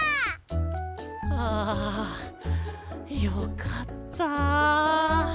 はあよかった。